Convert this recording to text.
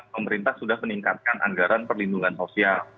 pemerintah sudah meningkatkan anggaran perlindungan sosial